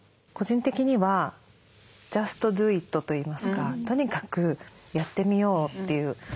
個人的にはジャスト・ドゥ・イットといいますかとにかくやってみようっていう。